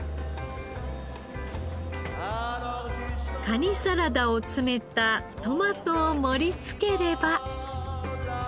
カニサラダを詰めたトマトを盛り付ければ。